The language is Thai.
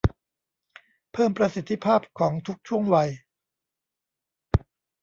เพิ่มประสิทธิภาพของทุกช่วงวัย